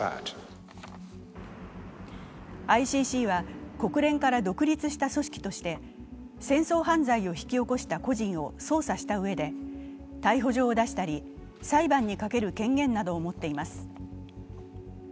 ＩＣＣは国連から独立した組織として戦争犯罪を引き起こした個人を捜査したうえで逮捕状を出したり、裁判にかける権限などを持っています。